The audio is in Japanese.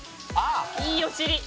いいお尻」